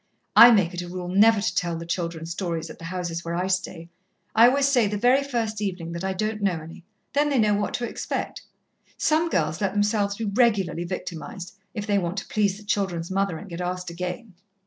I make it a rule never to tell the children stories at the houses where I stay. I always say, the very first evening, that I don't know any. Then they know what to expect. Some girls let themselves be regularly victimized, if they want to please the children's mother, and get asked again.